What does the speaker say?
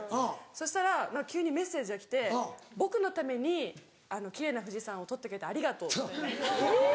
そしたら急にメッセージが来て「僕のために奇麗な富士山を撮ってくれてありがとう」。